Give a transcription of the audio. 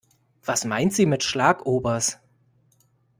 Was meint sie mit Schlagobers?